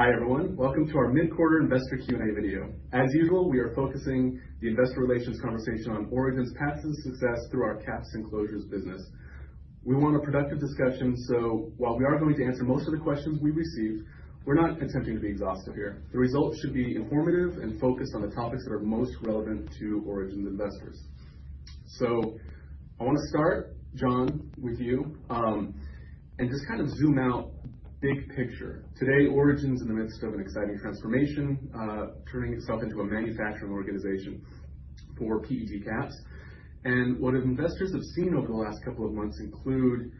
Hi everyone, welcome to our mid-quarter investor Q&A video. As usual, we are focusing the investor relations conversation on Origin's past and success through our caps and closures business. We want a productive discussion, so while we are going to answer most of the questions we receive, we're not attempting to be exhaustive here. The results should be informative and focused on the topics that are most relevant to Origin's investors. I want to start, John, with you, and just kind of zoom out big picture. Today, Origin is in the midst of an exciting transformation, turning itself into a manufacturing organization for PET caps. What investors have seen over the last couple of months include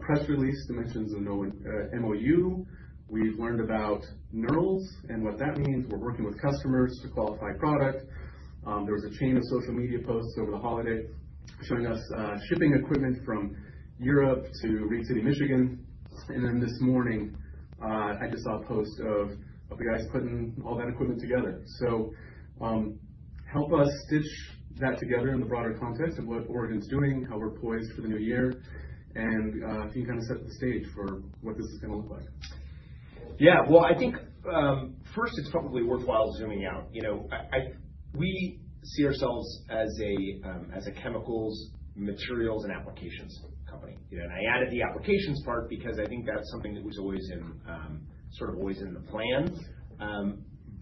press releases announcing new MOUs. We've learned about knurls and what that means. We're working with customers to qualify product. There was a chain of social media posts over the holiday showing us shipping equipment from Europe to Reed City, Michigan. And then this morning, I just saw a post of the guys putting all that equipment together. So, help us stitch that together in the broader context of what Origin is doing, how we're poised for the new year, and if you can kind of set the stage for what this is going to look like. Yeah, well, I think first it's probably worthwhile zooming out. You know, we see ourselves as a chemicals, materials, and applications company. You know, and I added the applications part because I think that's something that was always in, sort of always in the plan,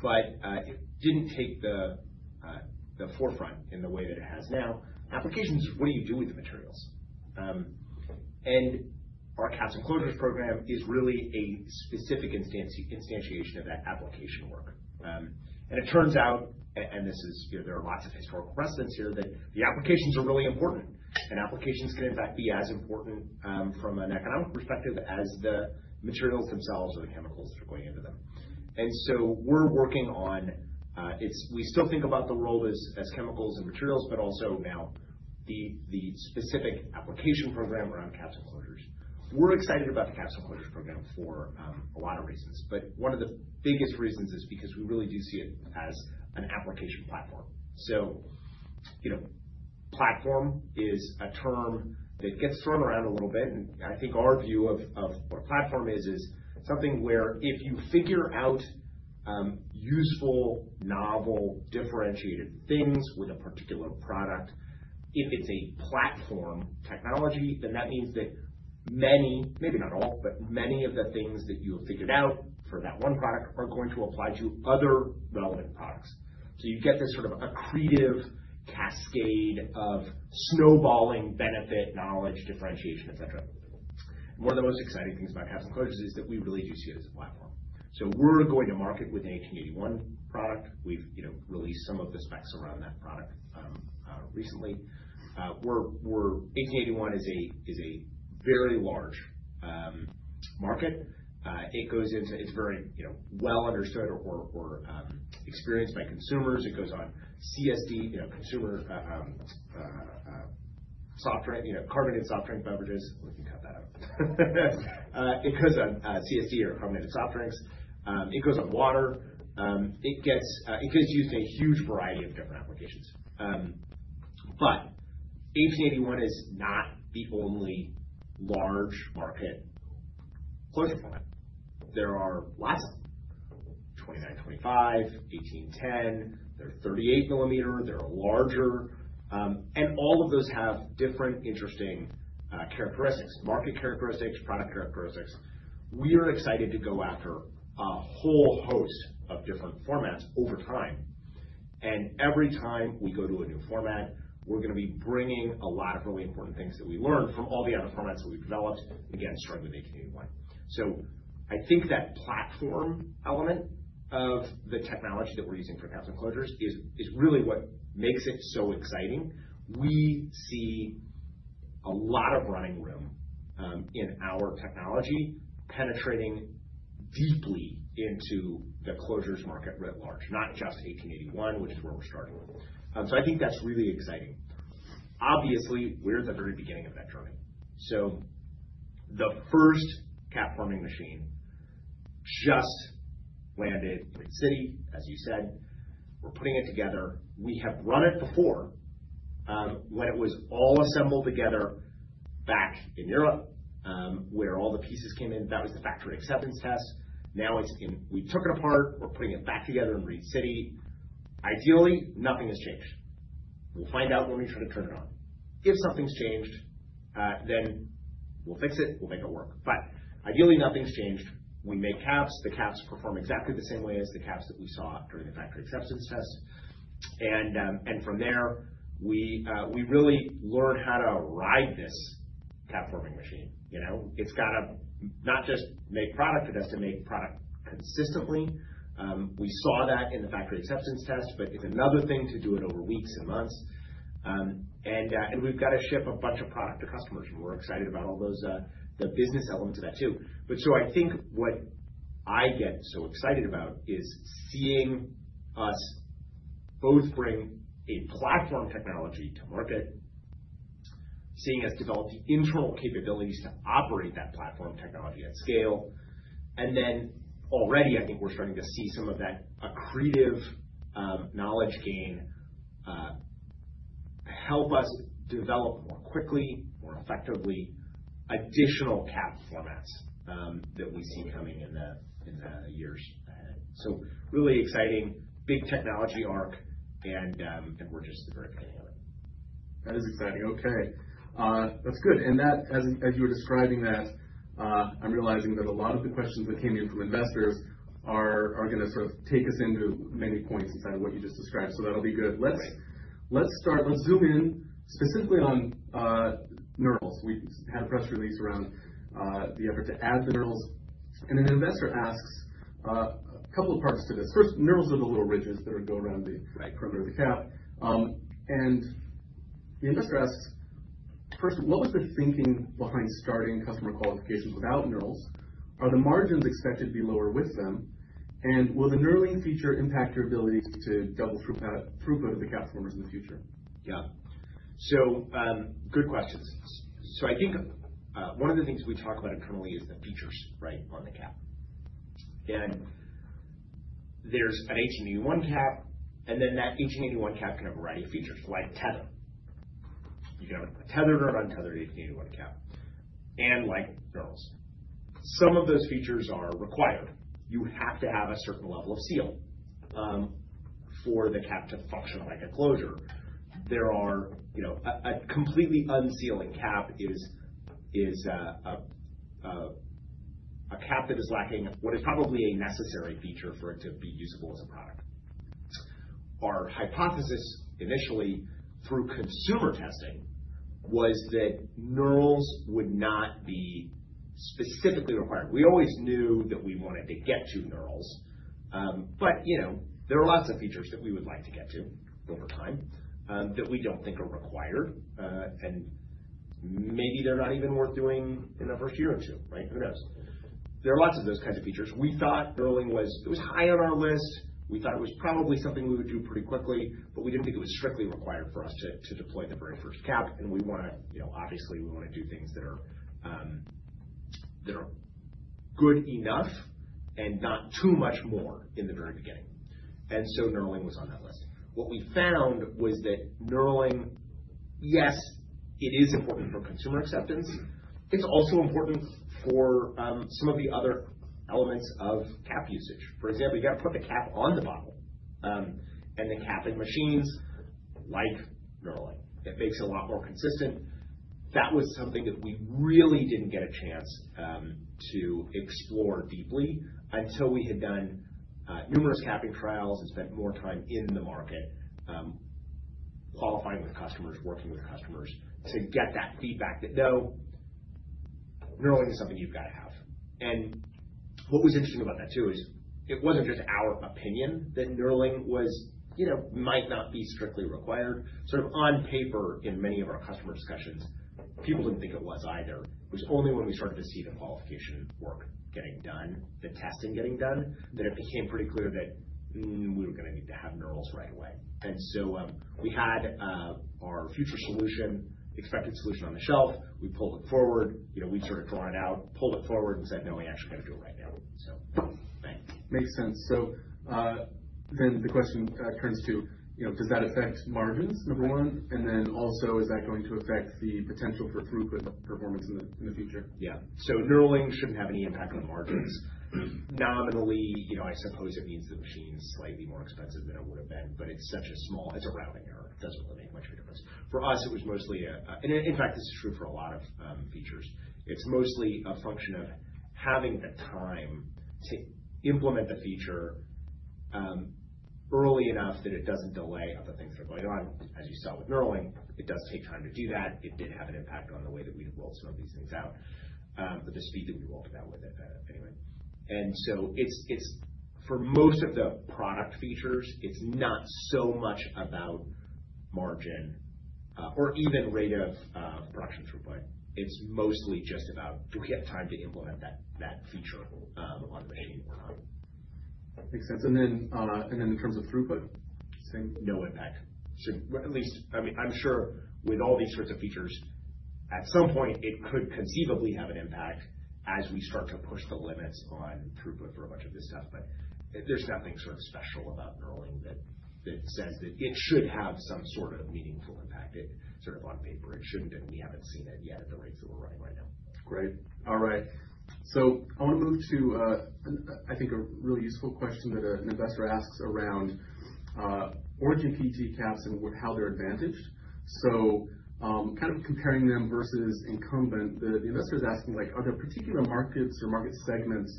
but it didn't take the forefront in the way that it has now. Applications is what do you do with the materials? Our caps and closures program is really a specific instantiation of that application work. It turns out, and this is, you know, there are lots of historical precedents here that the applications are really important. Applications can, in fact, be as important, from an economic perspective, as the materials themselves or the chemicals that are going into them. We're working on it. We still think about the world as chemicals and materials, but also now the specific application program around caps and closures. We're excited about the caps and closures program for a lot of reasons. But one of the biggest reasons is because we really do see it as an application platform. So, you know, platform is a term that gets thrown around a little bit. I think our view of what a platform is, is something where if you figure out useful, novel, differentiated things with a particular product, if it's a platform technology, then that means that many, maybe not all, but many of the things that you have figured out for that one product are going to apply to other relevant products. You get this sort of a creative cascade of snowballing benefit, knowledge, differentiation, etc. One of the most exciting things about caps and closures is that we really do see it as a platform, so we're going to market with an 1881 product. We've, you know, released some of the specs around that product recently. 1881 is a very large market. It goes into. It's very, you know, well understood or experienced by consumers. It goes on CSD, you know, consumer soft drink, you know, carbonated soft drink beverages. It goes on CSD or carbonated soft drinks. It gets used in a huge variety of different applications, but 1881 is not the only large market closure product. There are lots of 2925, 1810. There are 38 millimeters. There are larger, and all of those have different interesting characteristics, market characteristics, product characteristics. We are excited to go after a whole host of different formats over time, and every time we go to a new format, we're going to be bringing a lot of really important things that we learned from all the other formats that we've developed, again, starting with 1881. So I think that platform element of the technology that we're using for caps and closures is really what makes it so exciting. We see a lot of running room in our technology penetrating deeply into the closures market writ large, not just 1881, which is where we're starting, so I think that's really exciting. Obviously, we're at the very beginning of that journey, so the first cap forming machine just landed in Reed City, as you said. We're putting it together. We have run it before, when it was all assembled together back in Europe, where all the pieces came in. That was the factory acceptance test. Now it's in. We took it apart. We're putting it back together in Reed City. Ideally, nothing has changed. We'll find out when we try to turn it on. If something's changed, then we'll fix it. We'll make it work. But ideally, nothing's changed. We make caps. The caps perform exactly the same way as the caps that we saw during the factory acceptance test, and from there, we really learned how to ride this cap forming machine. You know, it's got to not just make product, it has to make product consistently. We saw that in the factory acceptance test, but it's another thing to do it over weeks and months. We've got to ship a bunch of product to customers. We're excited about all those business elements of that too. I think what I get so excited about is seeing us both bring a platform technology to market, seeing us develop the internal capabilities to operate that platform technology at scale. Already, I think we're starting to see some of that accretive knowledge gain help us develop more quickly, more effectively additional cap formats that we see coming in the years ahead. Really exciting, big technology arc. We're just at the very beginning of it. That is exciting. Okay. That's good. And that, as you were describing that, I'm realizing that a lot of the questions that came in from investors are going to sort of take us into many points inside of what you just described. So that'll be good. Let's start. Let's zoom in specifically on knurls. We had a press release around the effort to add the knurls. And an investor asks, a couple of parts to this. First, knurls are the little ridges that go around the perimeter of the cap. And the investor asks, first, what was the thinking behind starting customer qualifications without knurls? Are the margins expected to be lower with them? And will the knurling feature impact your ability to double throughput of the cap formers in the future? Yeah. So, good questions. So I think, one of the things we talk about internally is the features, right, on the cap. And there's an 1881 cap, and then that 1881 cap can have a variety of features like tether. You can have a tethered or an untethered 1881 cap. And like knurls, some of those features are required. You have to have a certain level of seal, for the cap to function like a closure. There are, you know, a completely unsealing cap is a cap that is lacking what is probably a necessary feature for it to be usable as a product. Our hypothesis initially through consumer testing was that knurls would not be specifically required. We always knew that we wanted to get to knurls. But, you know, there are lots of features that we would like to get to over time, that we don't think are required. And maybe they're not even worth doing in the first year or two, right? Who knows? There are lots of those kinds of features. We thought knurling was high on our list. We thought it was probably something we would do pretty quickly, but we didn't think it was strictly required for us to deploy the very first cap. And, you know, obviously, we want to do things that are good enough and not too much more in the very beginning. And so knurling was on that list. What we found was that knurling, yes, it is important for consumer acceptance. It's also important for some of the other elements of cap usage. For example, you've got to put the cap on the bottle. And the capping machines like knurling. It makes it a lot more consistent. That was something that we really didn't get a chance to explore deeply until we had done numerous capping trials and spent more time in the market, qualifying with customers, working with customers to get that feedback that, knurling is something you've got to have. And what was interesting about that too is it wasn't just our opinion that knurling, you know, might not be strictly required. Sort of on paper, in many of our customer discussions, people didn't think it was either. It was only when we started to see the qualification work getting done, the testing getting done, that it became pretty clear that we were going to need to have knurls right away. We had our future solution, expected solution, on the shelf. We pulled it forward. You know, we'd sort of drawn it out, pulled it forward, and said, no, we actually got to do it right now. Thank you. Makes sense. So, then the question turns to, you know, does that affect margins, number one? And then also, is that going to affect the potential for throughput performance in the future? Yeah. So knurling shouldn't have any impact on margins. Nominally, you know, I suppose it means the machine is slightly more expensive than it would have been, but it's such a small it's a rounding error. It doesn't really make much of a difference. For us, it was mostly a, and in fact, this is true for a lot of features. It's mostly a function of having the time to implement the feature, early enough that it doesn't delay other things that are going on. As you saw with knurling, it does take time to do that. It did have an impact on the way that we rolled some of these things out, but the speed that we rolled it out with it anyway. And so it's, it's for most of the product features, it's not so much about margin, or even rate of, production throughput. It's mostly just about do we have time to implement that feature on the machine or not. Makes sense. And then in terms of throughput, same? No impact, so at least, I mean, I'm sure with all these sorts of features, at some point, it could conceivably have an impact as we start to push the limits on throughput for a bunch of this stuff. But there's nothing sort of special about knurling that that says that it should have some sort of meaningful impact, sort of on paper. It shouldn't, and we haven't seen it yet at the rates that we're running right now. Great. All right. So I want to move to, I think, a really useful question that an investor asks around Origin PET caps and how they're advantaged. So, kind of comparing them versus incumbent, the investor is asking, like, are there particular markets or market segments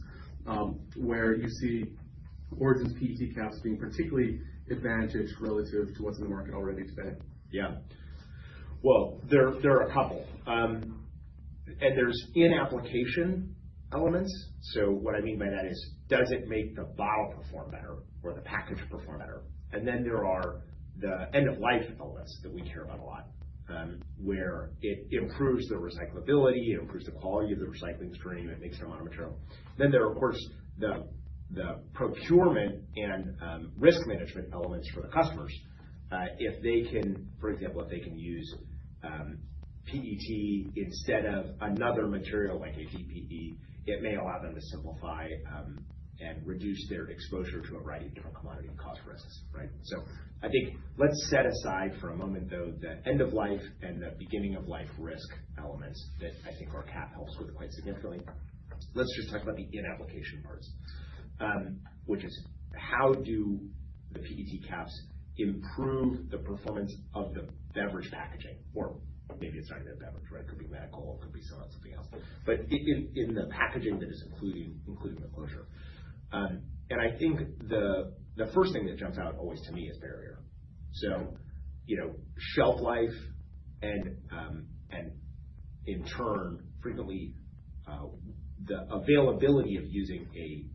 where you see Origin's PET caps being particularly advantaged relative to what's in the market already today? Yeah. Well, there are a couple, and there's in-application elements. So what I mean by that is, does it make the bottle perform better or the package perform better? Then there are the end-of-life elements that we care about a lot, where it improves the recyclability, it improves the quality of the recycling stream, it makes it a lot of material. Then there are, of course, the procurement and risk management elements for the customers. If they can, for example, use PET instead of another material like HDPE, it may allow them to simplify and reduce their exposure to a variety of different commodity and cost risks, right? So I think let's set aside for a moment, though, the end-of-life and the beginning-of-life risk elements that I think our cap helps with quite significantly. Let's just talk about the in-application parts, which is how do the PET caps improve the performance of the beverage packaging? Or maybe it's not even a beverage, right? It could be medical. It could be something else, but in the packaging that is including the closure, and I think the first thing that jumps out always to me is barrier. So, you know, shelf life and in turn, frequently, the availability of using a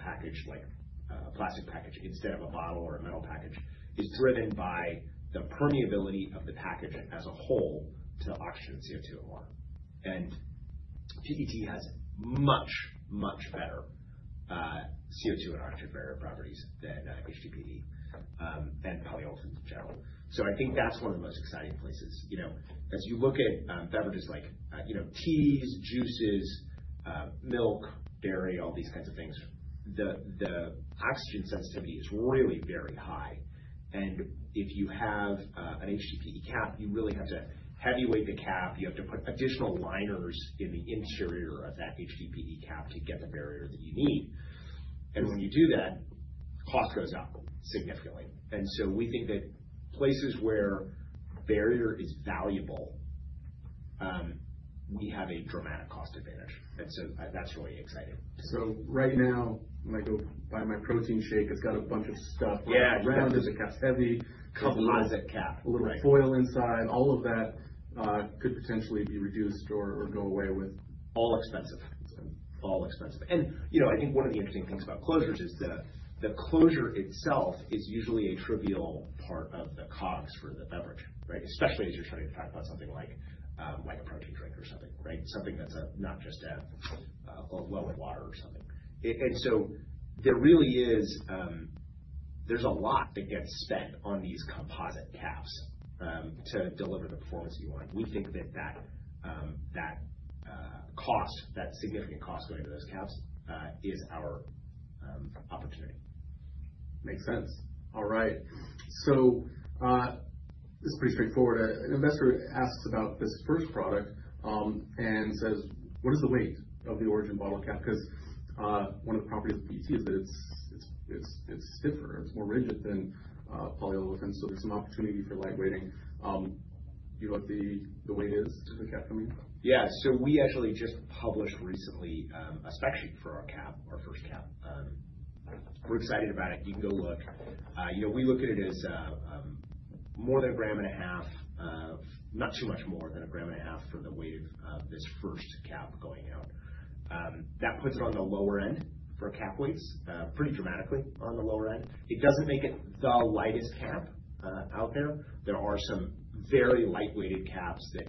package like a plastic package instead of a bottle or a metal package is driven by the permeability of the package as a whole to oxygen and CO2 and water, and PET has much, much better CO2 and oxygen barrier properties than HDPE and polyolefins in general, so I think that's one of the most exciting places. You know, as you look at beverages like, you know, teas, juices, milk, dairy, all these kinds of things, the oxygen sensitivity is really very high. And if you have an HDPE cap, you really have to heavy-weight the cap. You have to put additional liners in the interior of that HDPE cap to get the barrier that you need. And when you do that, cost goes up significantly. And so we think that places where barrier is valuable, we have a dramatic cost advantage. And so that's really exciting to see. Right now, like, go buy my protein shake. It's got a bunch of stuff around it. The cap's heavy. Yeah. It's a composite cap. A little foil inside. All of that could potentially be reduced or go away with. All expensive. All expensive. And, you know, I think one of the interesting things about closures is the closure itself is usually a trivial part of the COGS for the beverage, right? Especially as you're starting to talk about something like a protein drink or something, right? Something that's not just a well of water or something. And so there really is, there's a lot that gets spent on these composite caps to deliver the performance that you want. We think that that cost, that significant cost going into those caps, is our opportunity. Makes sense. All right. So, this is pretty straightforward. An investor asks about this first product, and says, what is the weight of the Origin bottle cap? Because one of the properties of PET is that it's stiffer. It's more rigid than polyolefins. So there's some opportunity for light weighting. Do you know what the weight is of the cap coming out? Yeah, so we actually just published recently a spec sheet for our cap, our first cap. We're excited about it. You can go look. You know, we look at it as more than a gram and a half, not too much more than a gram and a half for the weight of this first cap going out. That puts it on the lower end for cap weights, pretty dramatically on the lower end. It doesn't make it the lightest cap out there. There are some very lightweight caps that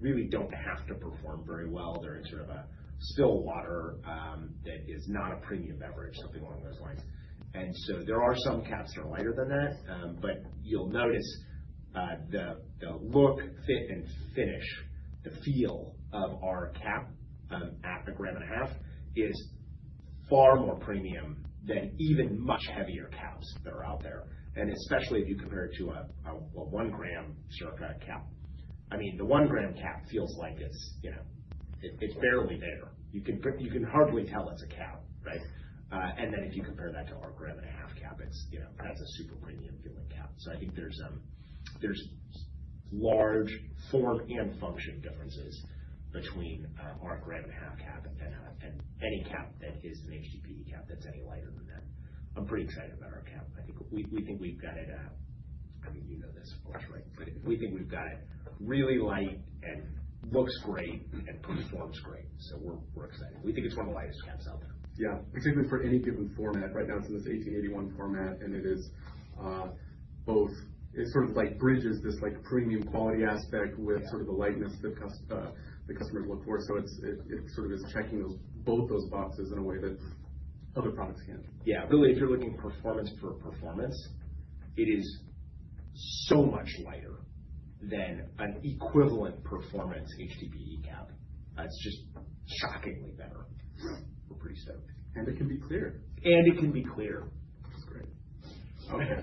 really don't have to perform very well. They're in sort of a still water that is not a premium beverage, something along those lines, and so there are some caps that are lighter than that. But you'll notice the look, fit, and finish, the feel of our cap at a gram and a half is far more premium than even much heavier caps that are out there. And especially if you compare it to a one-gram circa cap. I mean, the one-gram cap feels like it's, you know, it's barely there. You can hardly tell it's a cap, right? And then if you compare that to our gram and a half cap, it's, you know, that's a super premium feeling cap. So I think there's large form and function differences between our gram and a half cap and any cap that is an HDPE cap that's any lighter than that. I'm pretty excited about our cap. I think we think we've got it. I mean, you know this, of course, right? But we think we've got it really light and looks great and performs great. So we're excited. We think it's one of the lightest caps out there. Yeah. Particularly for any given format. Right now, it's in this 1881 format, and it sort of like bridges this like premium quality aspect with sort of the lightness that customers look for. So it's sort of checking both those boxes in a way that other products can't. Yeah. Really, if you're looking performance for performance, it is so much lighter than an equivalent performance HDPE cap. It's just shockingly better. We're pretty stoked. It can be clear. It can be clear. That's great. Okay.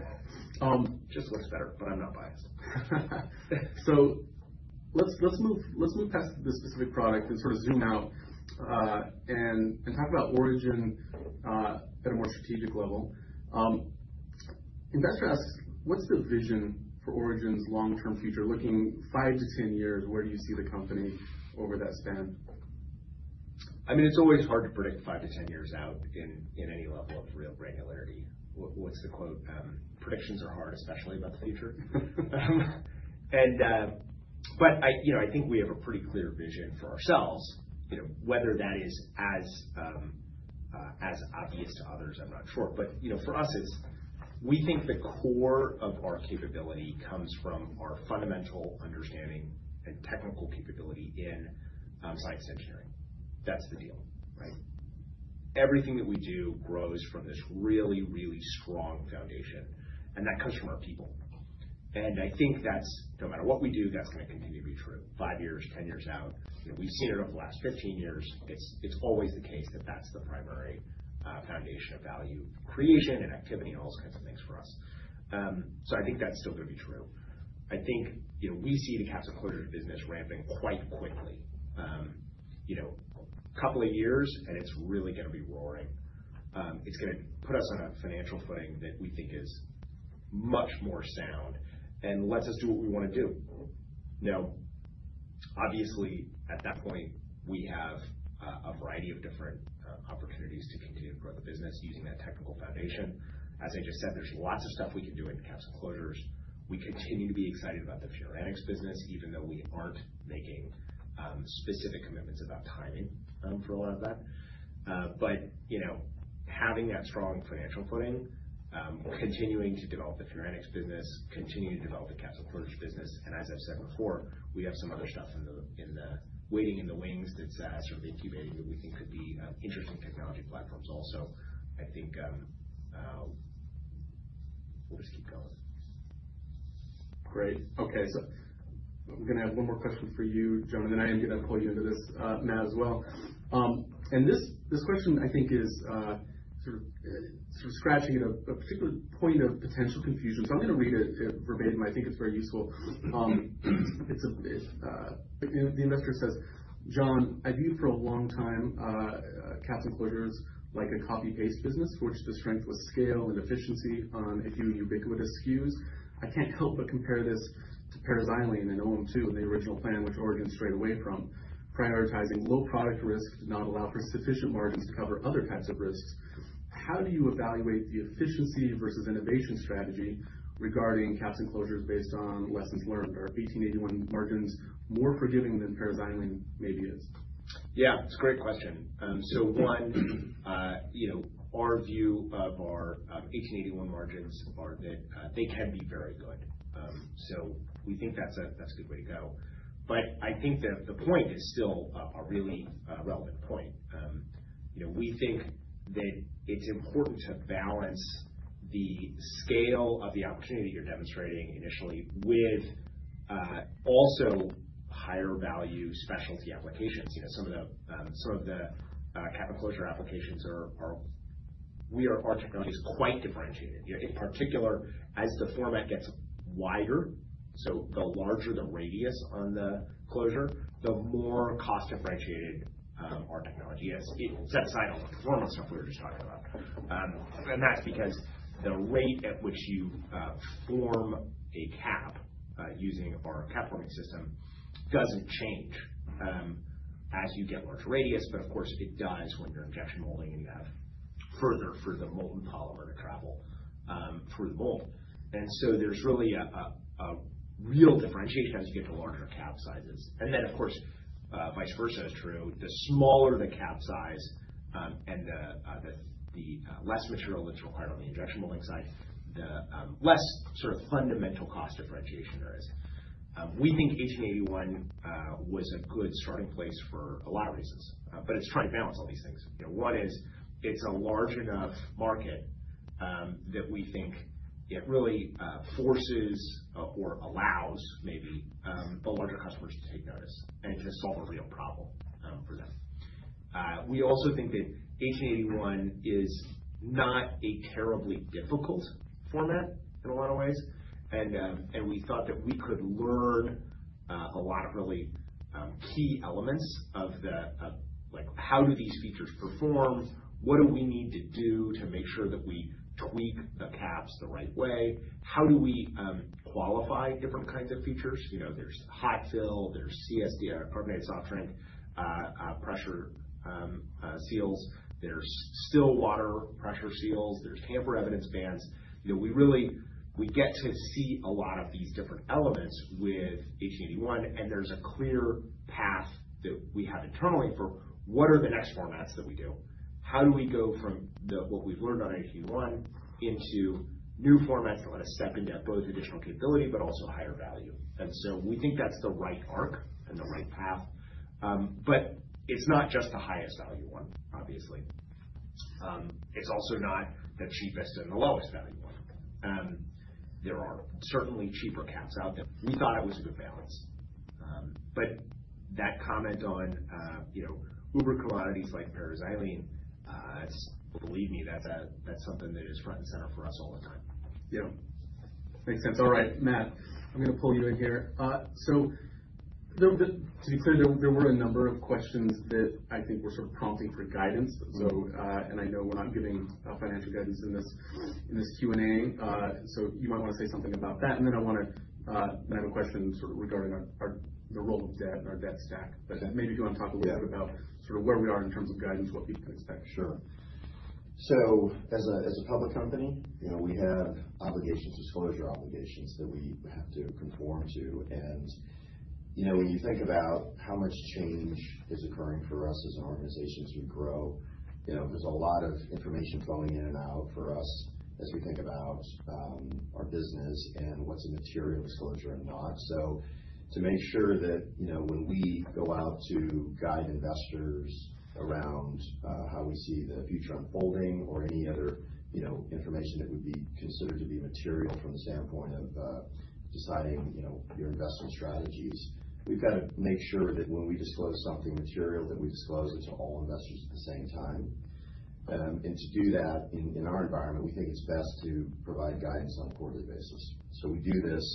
Just looks better, but I'm not biased, so let's move past the specific product and sort of zoom out, and talk about Origin at a more strategic level. Investor asks, what's the vision for Origin's long-term future? Looking five to 10 years, where do you see the company over that span? I mean, it's always hard to predict five to 10 years out in any level of real granularity. What's the quote? Predictions are hard, especially about the future. But I, you know, I think we have a pretty clear vision for ourselves, you know, whether that is as obvious to others, I'm not sure. But, you know, for us, it's we think the core of our capability comes from our fundamental understanding and technical capability in science engineering. That's the deal, right? Everything that we do grows from this really, really strong foundation, and that comes from our people. I think that's no matter what we do, that's going to continue to be true five years, 10 years out. You know, we've seen it over the last 15 years. It's always the case that that's the primary foundation of value creation and activity and all those kinds of things for us. So I think that's still going to be true. I think, you know, we see the cap and closure business ramping quite quickly. You know, a couple of years, and it's really going to be roaring. It's going to put us on a financial footing that we think is much more sound and lets us do what we want to do. Now, obviously, at that point, we have a variety of different opportunities to continue to grow the business using that technical foundation. As I just said, there's lots of stuff we can do in cap and closures. We continue to be excited about the Furanics business, even though we aren't making specific commitments about timing for a lot of that. But, you know, having that strong financial footing, continuing to develop the Furanics business, continuing to develop the caps and closures business. And as I've said before, we have some other stuff in the waiting in the wings that's, sort of incubating that we think could be, interesting technology platforms also. I think, we'll just keep going. Great. Okay. So I'm going to have one more question for you, John, and then I am going to pull you into this, Matt as well. And this question, I think, is sort of scratching at a particular point of potential confusion. So I'm going to read it verbatim. I think it's very useful. The investor says, "John, I view for a long time, caps and closures like a copy-paste business, which the strength was scale and efficiency on a few ubiquitous SKUs. I can't help but compare this to paraxylene and OM2 and the original plan, which originally strayed away from prioritizing low product risk to not allow for sufficient margins to cover other types of risks. How do you evaluate the efficiency versus innovation strategy regarding caps and closures based on lessons learned? Are 1881 margins more forgiving than paraxylene maybe is? Yeah. It's a great question. So one, you know, our view of our 1881 margins are that they can be very good. So we think that's a good way to go. But I think the point is still a really relevant point. You know, we think that it's important to balance the scale of the opportunity that you're demonstrating initially with also higher value specialty applications. You know, some of the caps and closure applications are our technology is quite differentiated. You know, in particular, as the format gets wider, so the larger the radius on the closure, the more cost differentiated our technology is. It sets aside all the performance stuff we were just talking about. And that's because the rate at which you form a cap using our cap forming system doesn't change as you get a large radius, but of course it does when you're injection molding and you have further for the molten polymer to travel through the mold. And so there's really a real differentiation as you get to larger cap sizes. And then, of course, vice versa is true. The smaller the cap size and the less material that's required on the injection molding side, the less sort of fundamental cost differentiation there is. We think 1881 was a good starting place for a lot of reasons, but it's trying to balance all these things. You know, one is it's a large enough market that we think it really forces or allows maybe the larger customers to take notice and to solve a real problem for them. We also think that 1881 is not a terribly difficult format in a lot of ways. And we thought that we could learn a lot of really key elements of the, like how do these features perform? What do we need to do to make sure that we tweak the caps the right way? How do we qualify different kinds of features? You know, there's hot fill, there's CSD, carbonated soft drink, pressure, seals. There's still water pressure seals. There's tamper evidence bands. You know, we really get to see a lot of these different elements with 1881, and there's a clear path that we have internally for what are the next formats that we do. How do we go from what we've learned on 1881 into new formats that let us step into both additional capability, but also higher value? And so we think that's the right arc and the right path. But it's not just the highest value one, obviously. It's also not the cheapest and the lowest value one. There are certainly cheaper caps out there. We thought it was a good balance. But that comment on, you know, uber commodities like paraxylene, believe me, that's something that is front and center for us all the time. Yeah. Makes sense. All right, Matt. I'm going to pull you in here. So to be clear, there were a number of questions that I think were sort of prompting for guidance. So, and I know we're not giving financial guidance in this Q&A. So you might want to say something about that. And then I have a question sort of regarding our the role of debt and our debt stack. But maybe if you want to talk a little bit about sort of where we are in terms of guidance, what people can expect? Sure. So as a public company, you know, we have obligations, disclosure obligations that we have to conform to. And, you know, when you think about how much change is occurring for us as an organization as we grow, you know, there's a lot of information flowing in and out for us as we think about our business and what's a material disclosure and not. So to make sure that, you know, when we go out to guide investors around, how we see the future unfolding or any other, you know, information that would be considered to be material from the standpoint of, deciding, you know, your investment strategies, we've got to make sure that when we disclose something material, that we disclose it to all investors at the same time. And to do that in our environment, we think it's best to provide guidance on a quarterly basis. So we do this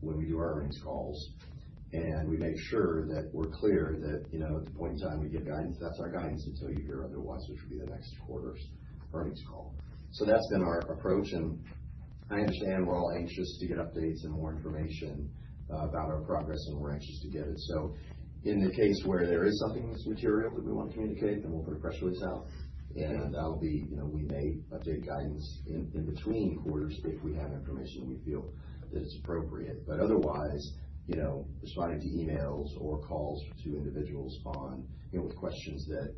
when we do our earnings calls, and we make sure that we're clear that, you know, at the point in time we give guidance, that's our guidance until you hear otherwise, which would be the next quarter's earnings call. So that's been our approach. And I understand we're all anxious to get updates and more information about our progress, and we're anxious to get it. So in the case where there is something that's material that we want to communicate, then we'll put a press release out. And that'll be, you know, we may update guidance in between quarters if we have information that we feel it's appropriate. But otherwise, you know, responding to emails or calls to individuals on, you know, with questions that,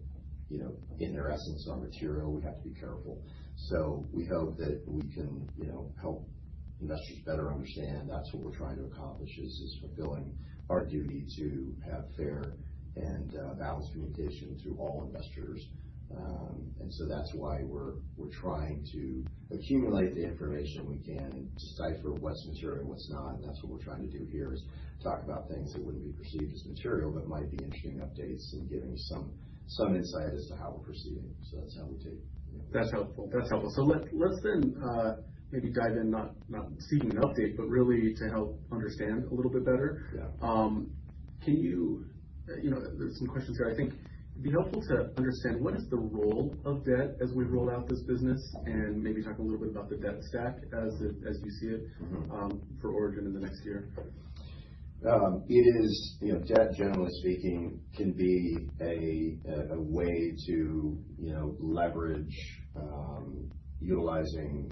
you know, in their essence are material, we have to be careful. So we hope that we can, you know, help investors better understand that's what we're trying to accomplish is fulfilling our duty to have fair and balanced communication through all investors. And so that's why we're trying to accumulate the information we can and decipher what's material and what's not. And that's what we're trying to do here is talk about things that wouldn't be perceived as material, but might be interesting updates and giving some insight as to how we're proceeding. So that's how we take. That's helpful. That's helpful. So let's then, maybe dive in, not seeking an update, but really to help understand a little bit better. Yeah. Can you, you know, there's some questions here. I think it'd be helpful to understand what is the role of debt as we roll out this business and maybe talk a little bit about the debt stack as it, as you see it, for Origin in the next year. It is, you know, debt, generally speaking, can be a way to, you know, leverage, utilizing,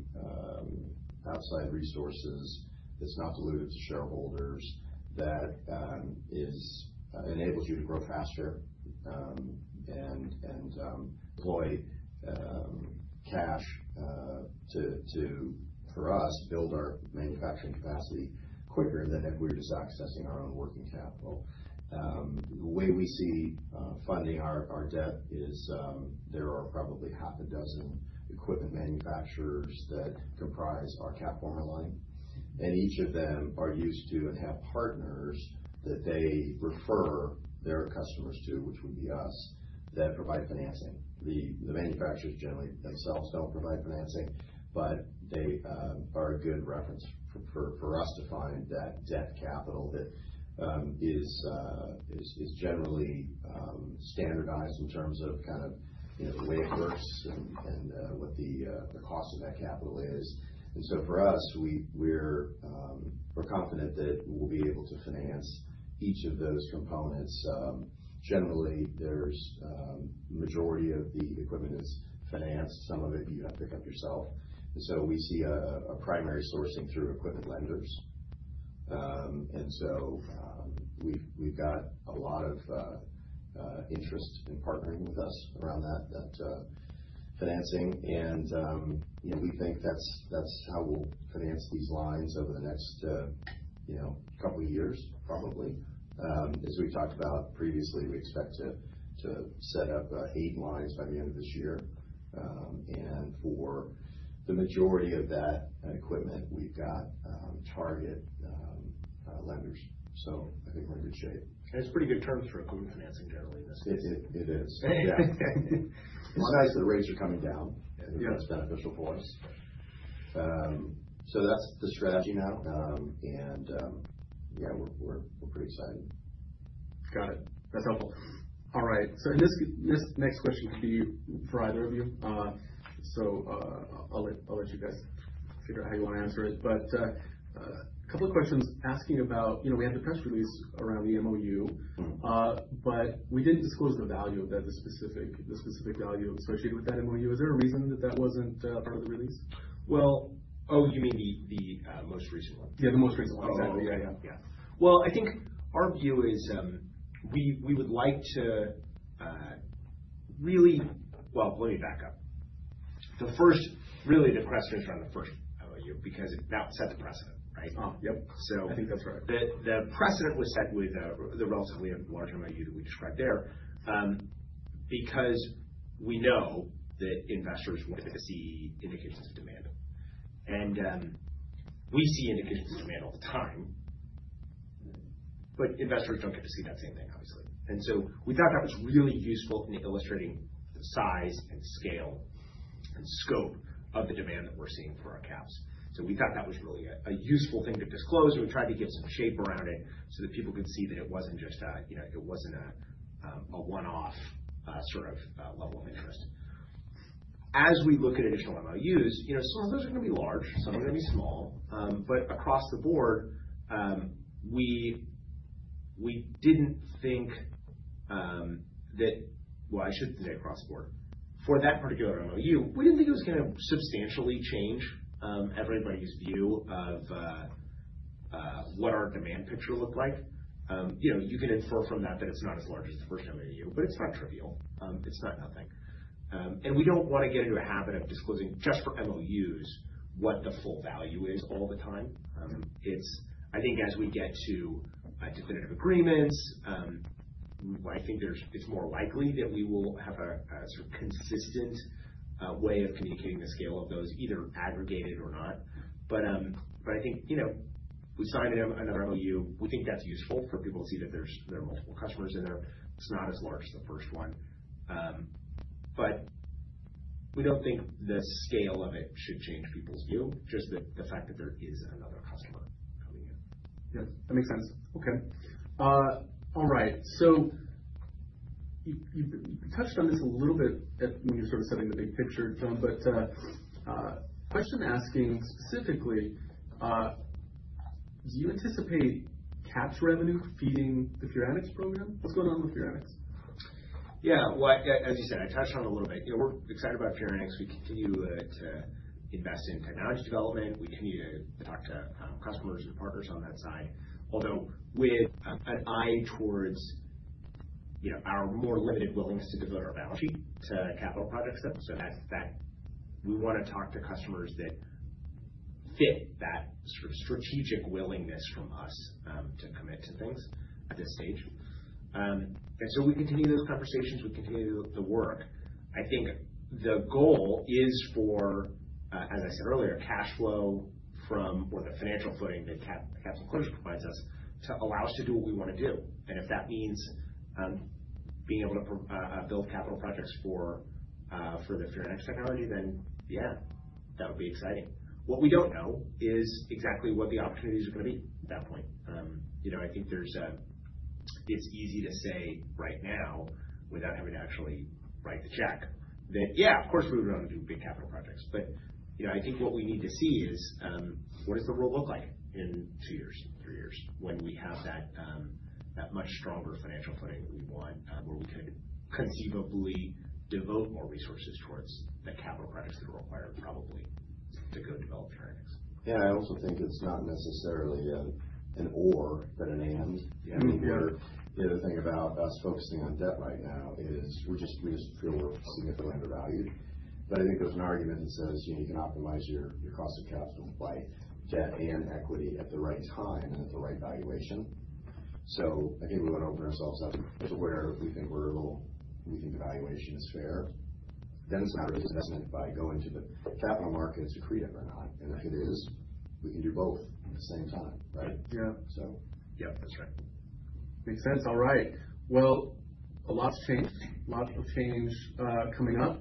outside resources that's not diluted to shareholders that is enables you to grow faster, and deploy cash to for us build our manufacturing capacity quicker than if we were just accessing our own working capital. The way we see funding our debt is there are probably half-a-dozen equipment manufacturers that comprise our CapFormer line. And each of them are used to and have partners that they refer their customers to, which would be us, that provide financing. The manufacturers generally themselves don't provide financing, but they are a good reference for us to find that debt capital that is generally standardized in terms of kind of, you know, the way it works and what the cost of that capital is. And so for us, we're confident that we'll be able to finance each of those components. Generally, majority of the equipment is financed. Some of it you have to pick up yourself. And so we see a primary sourcing through equipment lenders. And so, we've got a lot of interest in partnering with us around that financing. And, you know, we think that's how we'll finance these lines over the next, you know, couple of years, probably. As we've talked about previously, we expect to set up eight lines by the end of this year. And for the majority of that equipment, we've got target lenders. So I think we're in good shape. Okay. That's pretty good terms for equipment financing generally in this case. It is. Yeah. It's nice that rates are coming down. Yeah. It's beneficial for us, so that's the strategy now, and, yeah, we're pretty excited. Got it. That's helpful. All right. So in this next question could be for either of you. So, I'll let you guys figure out how you want to answer it. But, a couple of questions asking about, you know, we had the press release around the MOU. Mm-hmm. But we didn't disclose the value of that, the specific value associated with that MOU. Is there a reason that that wasn't part of the release? Well. Oh, you mean the most recent one? Yeah. The most recent one. Oh, exactly. Yeah. Yeah. Yeah. I think our view is, we would like to, really. Well, let me back up. The first, really, the question is around the first MOU because that set the precedent, right? Uh-huh. So. I think that's right. The precedent was set with the relatively large MOU that we described there, because we know that investors want to see indications of demand. We see indications of demand all the time, but investors don't get to see that same thing, obviously. We thought that was really useful in illustrating the size and scale and scope of the demand that we're seeing for our caps. We thought that was really a useful thing to disclose, and we tried to give some shape around it so that people could see that it wasn't just a, you know, it wasn't a one-off, sort of, level of interest. As we look at additional MOUs, you know, some of those are going to be large, some are going to be small. But across the board, we didn't think that. Well, I shouldn't say across the board. For that particular MOU, we didn't think it was going to substantially change everybody's view of what our demand picture looked like. You know, you can infer from that that it's not as large as the first MOU, but it's not trivial. It's not nothing. We don't want to get into a habit of disclosing just for MOUs what the full value is all the time. It's, I think, as we get to definitive agreements, I think it's more likely that we will have a sort of consistent way of communicating the scale of those, either aggregated or not. But I think, you know, we signed another MOU. We think that's useful for people to see that there are multiple customers in there. It's not as large as the first one. But we don't think the scale of it should change people's view, just the fact that there is another customer coming in. Yeah. That makes sense. Okay. All right. So you touched on this a little bit at when you were sort of setting the big picture, John, but question asking specifically, do you anticipate caps revenue feeding the Furanics program? What's going on with Furanics? Yeah. Well, as you said, I touched on it a little bit. You know, we're excited about Furanics. We continue to invest in technology development. We continue to talk to customers and partners on that side. Although with an eye towards, you know, our more limited willingness to devote our balance sheet to capital projects though. So that's that we want to talk to customers that fit that sort of strategic willingness from us to commit to things at this stage. And so we continue those conversations. We continue the work. I think the goal is for, as I said earlier, cash flow from or the financial footing that caps and closures provides us to allow us to do what we want to do. And if that means being able to build capital projects for the Furanics technology, then yeah, that would be exciting. What we don't know is exactly what the opportunities are going to be at that point. You know, I think there's. It's easy to say right now without having to actually write the check that, yeah, of course, we would want to do big capital projects. But, you know, I think what we need to see is, what does the role look like in two years, three years when we have that much stronger financial footing that we want, where we could conceivably devote more resources towards the capital projects that are required probably to go develop Furanics. Yeah. I also think it's not necessarily an or, but an and. I mean, we're the other thing about us focusing on debt right now is we're just we just feel we're significantly undervalued. But I think there's an argument that says, you know, you can optimize your cost of capital by debt and equity at the right time and at the right valuation. So I think we want to open ourselves up to where we think we're a little we think the valuation is fair. Then it's a matter of deciding by going to the capital markets, accretive or not. And if it is, we can do both at the same time, right? Yeah. So. Yep. That's right. Makes sense. All right. Well, a lot of change, a lot of change, coming up.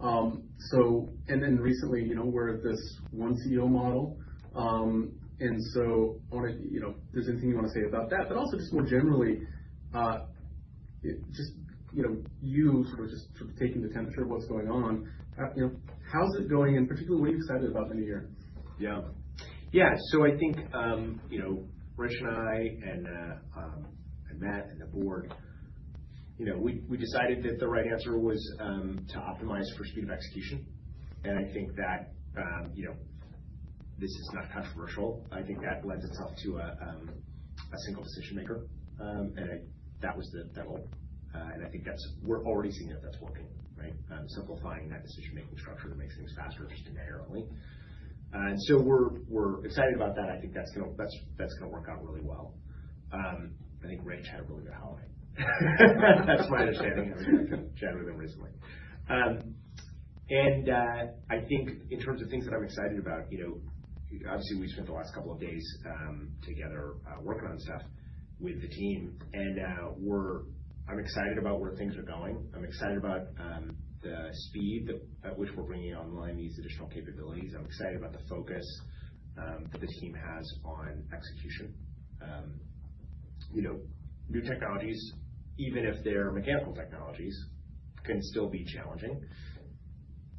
So and then recently, you know, we're at this one CEO model. And so I want to, you know, if there's anything you want to say about that, but also just more generally, just, you know, you sort of just sort of taking the temperature of what's going on, you know, how's it going? And particularly, what are you excited about in the new year? Yeah. Yeah. So I think, you know, Rich and I and Matt and the board, you know, we decided that the right answer was to optimize for speed of execution. I think that, you know, this is not controversial. I think that lends itself to a single decision maker. And that was the goal. And I think that we're already seeing that that's working, right? Simplifying that decision-making structure that makes things faster just inherently. And so we're excited about that. I think that's going to work out really well. I think Rich had a really good holiday. That's my understanding. I mean, I couldn't jam with him recently. I think in terms of things that I'm excited about, you know, obviously, we spent the last couple of days together, working on stuff with the team. I'm excited about where things are going. I'm excited about the speed at which we're bringing online these additional capabilities. I'm excited about the focus that the team has on execution. You know, new technologies, even if they're mechanical technologies, can still be challenging.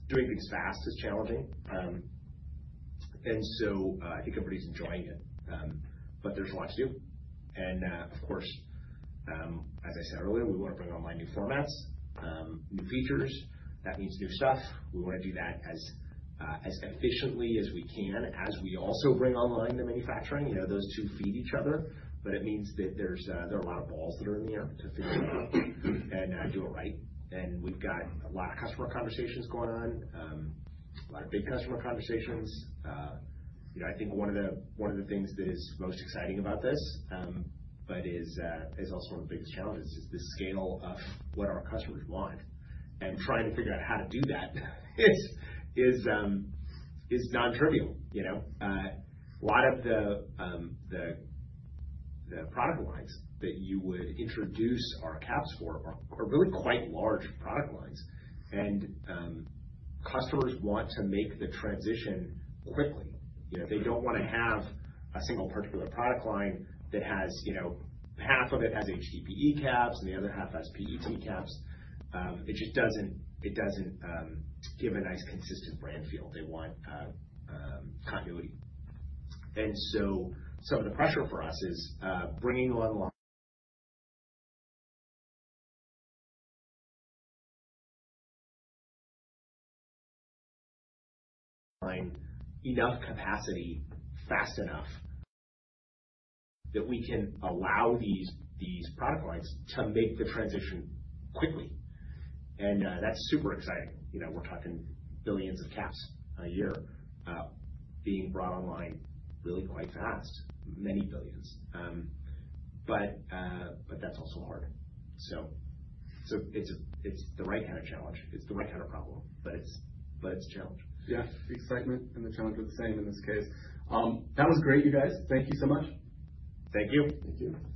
Doing things fast is challenging, and so I think everybody's enjoying it. But there's a lot to do. Of course, as I said earlier, we want to bring online new formats, new features. That means new stuff. We want to do that as efficiently as we can, as we also bring online the manufacturing. You know, those two feed each other. But it means that there are a lot of balls that are in the air to figure it out and do it right. We've got a lot of customer conversations going on, a lot of big customer conversations. You know, I think one of the things that is most exciting about this, but is also one of the biggest challenges, is the scale of what our customers want. And trying to figure out how to do that is non-trivial, you know? A lot of the product lines that you would introduce our caps for are really quite large product lines. And customers want to make the transition quickly. You know, they don't want to have a single particular product line that has, you know, half of it has HDPE caps, and the other half has PET caps. It just doesn't give a nice consistent brand feel. They want continuity. And so some of the pressure for us is bringing online enough capacity fast enough that we can allow these product lines to make the transition quickly. That's super exciting. You know, we're talking billions of caps a year, being brought online really quite fast, many billions. But that's also hard. So it's the right kind of challenge. It's the right kind of problem, but it's a challenge. Yeah. The excitement and the challenge are the same in this case. That was great, you guys. Thank you so much. Thank you. Thank you.